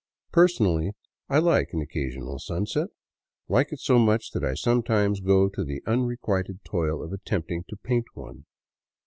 Personally I like an occasional sunset, like it so much that I sometimes go to the unrequited toil of attempting to paint one.